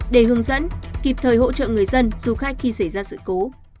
để hướng dẫn kịp thời hỗ trợ người dân du khách khi xảy ra sự cố